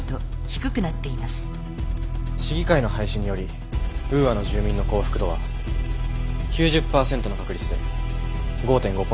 市議会の廃止によりウーアの住民の幸福度は９０％の確率で５．５ポイント上昇します。